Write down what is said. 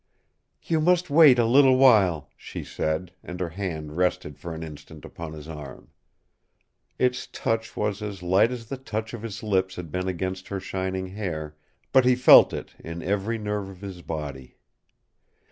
"You must wait a little while," she said, and her hand rested for an instant upon his arm. Its touch was as light as the touch of his lips had been against her shining hair, but he felt it in every nerve of his body.